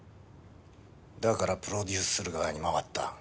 だからプロデュースする側に回った。